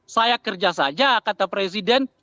saya kerja saja kata presiden